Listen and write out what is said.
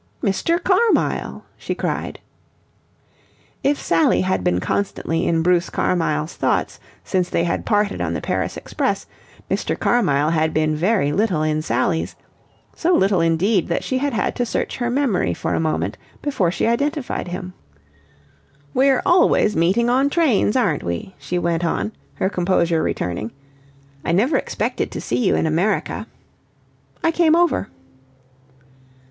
"Mr. Carmyle!" she cried. If Sally had been constantly in Bruce Carmyle's thoughts since they had parted on the Paris express, Mr. Carmyle had been very little in Sally's so little, indeed, that she had had to search her memory for a moment before she identified him. "We're always meeting on trains, aren't we?" she went on, her composure returning. "I never expected to see you in America." "I came over."